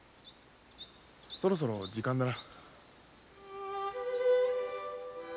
そろそろ時間だな。